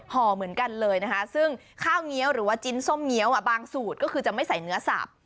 ห่อเหมือนกันเลยนะคะซึ่งข้าวเงี้ยวหรือว่าจิ้นส้มเงี้ยวบางสูตรก็คือจะไม่ใส่เนื้อสับ